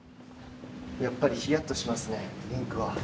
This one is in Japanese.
やっぱりひやっとしますねリンクは。